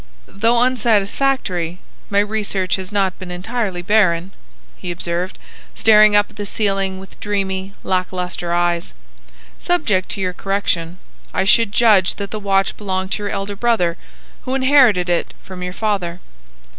"Though unsatisfactory, my research has not been entirely barren," he observed, staring up at the ceiling with dreamy, lack lustre eyes. "Subject to your correction, I should judge that the watch belonged to your elder brother, who inherited it from your father."